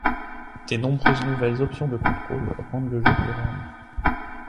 Des nombreuses nouvelles options de contrôles rendent le jeu plus réaliste.